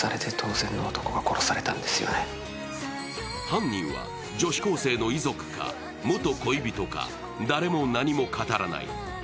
犯人は女子高生の遺族か、元恋人か、誰も何も語らない。